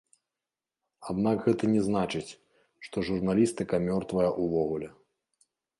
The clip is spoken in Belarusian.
Аднак гэта не значыць, што журналістыка мёртвая ўвогуле.